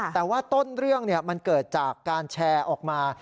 แต่ว่าต้นเรื่องมันเกิดจากการแชร์ออกมา